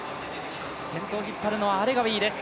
先頭を引っ張っているのはアレガウィです。